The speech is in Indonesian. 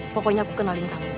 pokoknya aku kenalin dia